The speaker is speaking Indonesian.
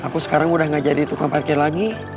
aku sekarang udah gak jadi tukang parkir lagi